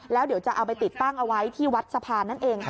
แล้วเดี๋ยวจะเอาไปติดตั้งเอาไว้ที่วัดสะพานนั่นเองค่ะ